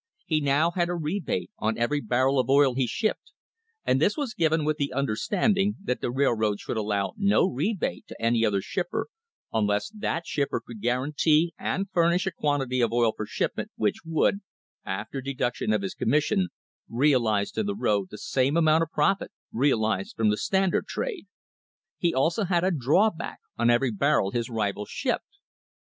He now had a rebate on every barrel of oil he shipped, and this was given with the understanding that the railroad should allow no rebate to any other shipper unless that shipper could guarantee and furnish a quantity of oil for shipment which would, after deduction of his commission, realise to the road the same amount of profit realised from the Standard trade. He also had a drawback on every barrel his rivals shipped.